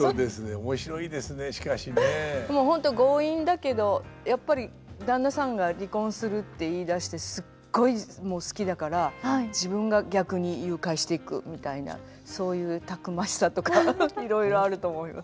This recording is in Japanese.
もうホント強引だけどやっぱり旦那さんが離婚するって言いだしてすっごい好きだから自分が逆に誘拐していくみたいなそういうたくましさとかいろいろあると思います。